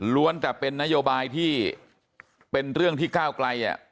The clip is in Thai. แต่เป็นนโยบายที่เป็นเรื่องที่ก้าวไกล